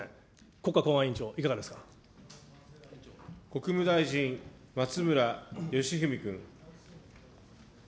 国家公安委員長、国務大臣、松村祥史君。